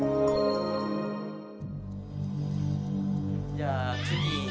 じゃあ次。